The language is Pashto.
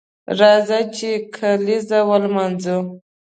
راځه چې کالیزه ونمانځو